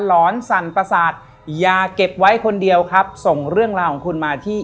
หอนสั่นประสาทอย่าเก็บไว้คนเดียวครับส่งเรื่องราวของคุณมาที่